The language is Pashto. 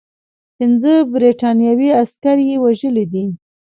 پنځه برټانوي عسکر یې وژلي دي.